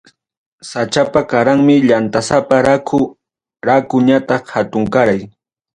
Sachapa qaranmi llantasapa, raku raku ñataq hatunkaray.